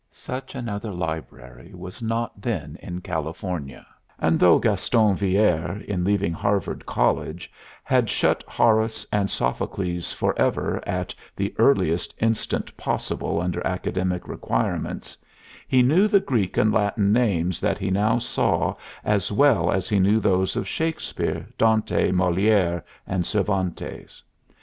Such another library was not then in California; and though Gaston Villere, in leaving Harvard College, had shut Horace and Sophocles for ever at the earliest instant possible under academic requirements, he knew the Greek and Latin names that he now saw as well as he knew those of Shakspere, Dante, Moliere, and Cervantes.